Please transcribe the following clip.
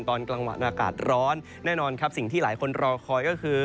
ตอนกลางวันอากาศร้อนแน่นอนครับสิ่งที่หลายคนรอคอยก็คือ